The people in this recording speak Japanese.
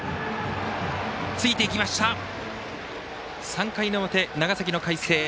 ３回の表、長崎の海星。